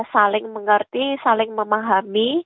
saling mengerti saling memahami